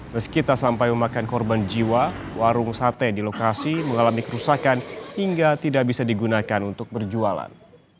meski tak sampai memakan korban jiwa warung sate di lokasi mengalami kerusakan hingga tidak bisa digunakan untuk berjualan